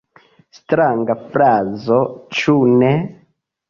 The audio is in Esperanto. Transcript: Stranga frazo, ĉu ne?